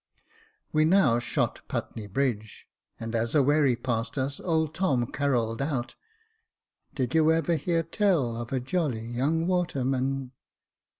We now shot Putney Bridge, and as a wherry passed us, old Tom carolled out —" Did you ever hear tell of a jolly young waterman